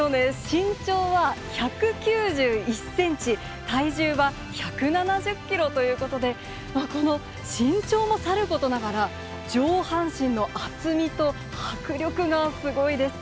身長は１９１センチ、体重は１７０キロということで、この身長もさることながら、上半身の厚みと迫力がすごいです。